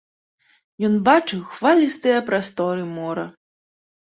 Ён бачыў хвалістыя прасторы мора.